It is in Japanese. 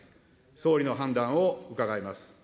総理の判断を伺います。